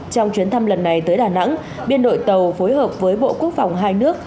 trong chuyến thăm lần này tới đà nẵng biên đội tàu phối hợp với bộ quốc phòng hai nước